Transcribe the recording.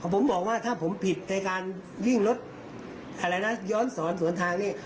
ผมบอกว่าถ้าผมผิดในการวิ่งรถย้อนศรสวนทางนี้